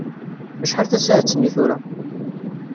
Acḥal tasaɛet-nni tura?